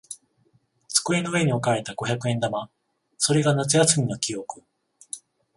机の上に置かれた五百円玉。それが夏休みの記憶。